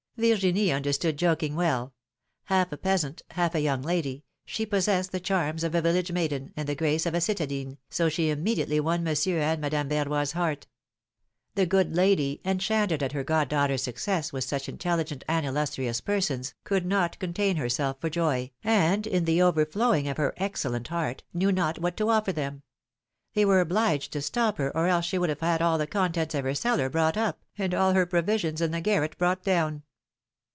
Virginie understood joking well ; half a peasant, half a young lady, she possessed the charms of a village maiden, and the grace of a citadine, so she immediately won Monsieur and Madame Verroy 's heart. The good lady, enchanted at her goddaughter's success with such intelli gent and illustrious persons, could not contain herself for joy, and, in the overflowing of her excellent heart, knew not what to offer them; they were obliged to stop her, or else she would have had all the contents of her cellar brought up, and all her provisions in the garret brought down.